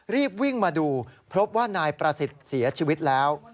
รีบวิ่งมาดูพบว่านายประสิทธิ์เสียชีวิตแล้ว